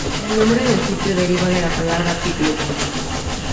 El nombre del sitio deriva de la palabra "picnic".